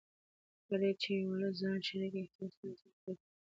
کله چې ولس ځان شریک احساس کړي نظام قوي پاتې کېږي